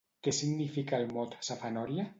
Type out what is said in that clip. Què significa el mot safanòria?